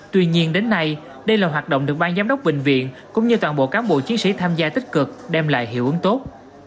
tuy nhiên đến nay đây là hoạt động được ban giám đốc bệnh viện cũng như toàn bộ cán bộ chiến sĩ tham gia tích cực đem lại hiệu ứng tốt